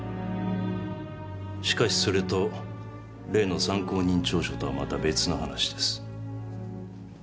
しかしそれと例の参考人調書とはまた別の話です。